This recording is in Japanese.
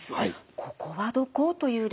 「ここはどこ？」という例です。